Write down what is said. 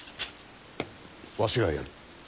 わしがやる。